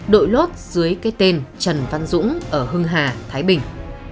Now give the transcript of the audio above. đội lốt dưới cái tên trần văn dũng ở hưng hà thái bình